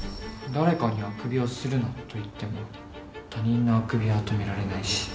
誰かに「あくびをするな」と言っても他人のあくびは止められないし。